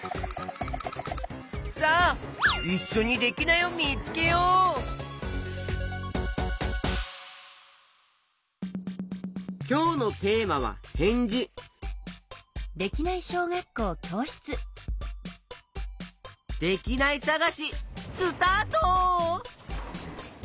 さあいっしょにきょうのテーマは「へんじ」できないさがしスタート！